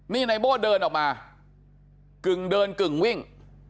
นี่นายโบ้เดินออกมากึ่งเดินกึ่งวิ่ง